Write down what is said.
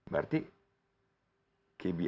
berarti kb asia ini juga akan besar